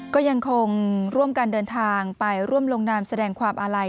ก็ยังคงร่วมกันเดินทางไปร่วมลงนามแสดงความอาลัย